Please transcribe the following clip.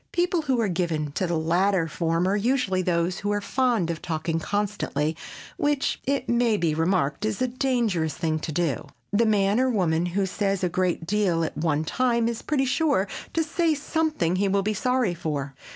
People who are given to the latter form are usually those who are fond of talking constantly which—it may be remarked—is a dangerous thing to do. The man or woman who says a great deal at one time is pretty sure to say something he will be sorry for.